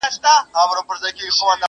درد او نومونه يو ځای کيږي او معنا بدلېږي